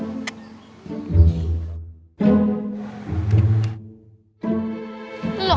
ini surat sakti